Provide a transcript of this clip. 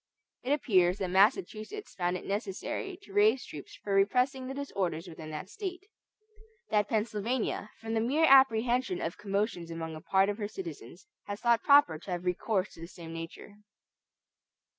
It appears that Massachusetts found it necessary to raise troops for repressing the disorders within that State; that Pennsylvania, from the mere apprehension of commotions among a part of her citizens, has thought proper to have recourse to the same measure.